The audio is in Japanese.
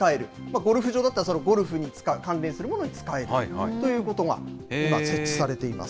ゴルフ場だったら、そのゴルフに使う、関連するものに使えるということが、今、設置されています。